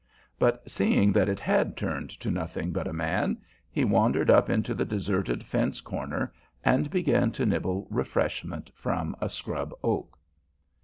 But seeing that it had turned to nothing but a man, he wandered up into the deserted fence corner, and began to nibble refreshment from a scrub oak.